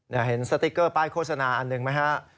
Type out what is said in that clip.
เราเห็นสติ้เกอร์ป้ายโฆษณาอันหนึ่งไหมครับ